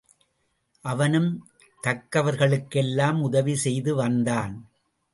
அவனும் தக்கவர்களுக்கெல்லாம் உதவி செய்து வந்தான்.